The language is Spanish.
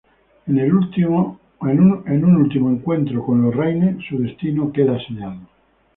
En un último encuentro con Lorraine, su destino queda sellado.